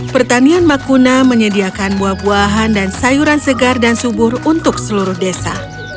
pertanian makuna menyediakan buah buahan dan sayuran segar dan subur untuk seluruh desa